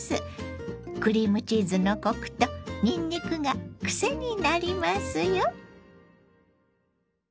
クリームチーズのコクとにんにくが癖になりますよ。